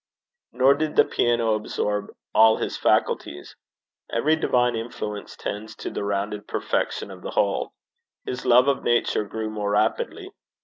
Nor did the piano absorb all his faculties. Every divine influence tends to the rounded perfection of the whole. His love of Nature grew more rapidly.